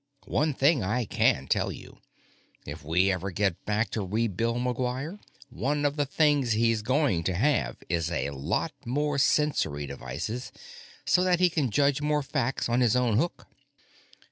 One thing I can tell you: if we ever get back to rebuild McGuire, one of the things he's going to have is a lot more sensory devices, so that he can judge more facts on his own hook."